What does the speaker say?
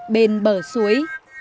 bên bờ suối